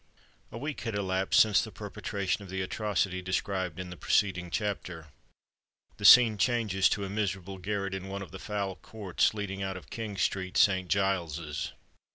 A week had elapsed since the perpetration of the atrocity described in the preceding chapter. The scene changes to a miserable garret in one of the foul courts leading out of King Street, St. Giles's.